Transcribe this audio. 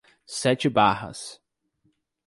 Sete Barras